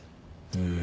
へえ。